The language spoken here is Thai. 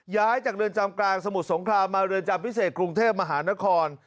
ย้ายจากเรือนจำกลางสมุทรสงครามมาเรือนจำพิเศษกรุงเทพมหานคร